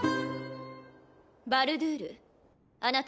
バルドゥールあなた